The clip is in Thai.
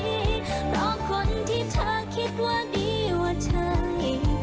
เพราะคนที่เธอคิดว่าดีว่าใช่